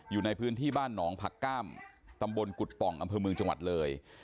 อยู่ในพื้นที่บ้านหนองผักก้ามตำบลกุฎป่องอำเภอเมืองจังหวัดเลย